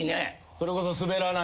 それこそ。